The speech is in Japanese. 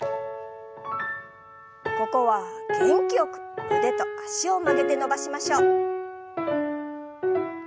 ここは元気よく腕と脚を曲げて伸ばしましょう。